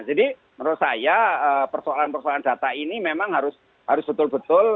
jadi menurut saya persoalan persoalan data ini memang harus betul betul